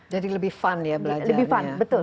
jadi lebih fun ya belajarnya